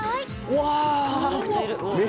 うわ！